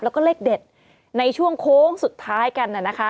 แล้วก็เลขเด็ดในช่วงโค้งสุดท้ายกันนะคะ